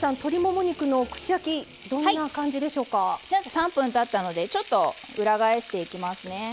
３分たったのでちょっと裏返していきますね。